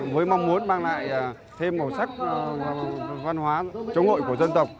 với mong muốn mang lại thêm màu sắc văn hóa chống hội của dân tộc